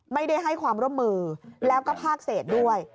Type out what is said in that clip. ไม่ได้ให้ความร่วมมือแล้วก็ภาคเศษด้วย